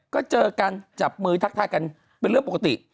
ก็เจอกันจับมือทักทายกันเป็นเรื่องปกติ